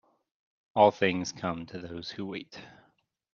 All things come to those that wait.